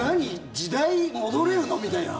時代戻れるの？みたいな。